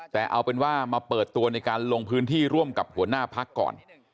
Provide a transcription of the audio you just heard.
แต่เอาเป็นว่ามาเปิดตัวในการลงพื้นที่ร่วมกับหัวหน้าพักก่อน